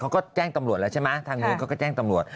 เขาก็แจ้งตำรวจแล้วใช่ไหมทางนู้นเขาก็แจ้งตำรวจ